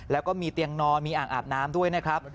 แล้วก็มีเตียงนอนมีอ่างอาบน้ำด้วยนะครับ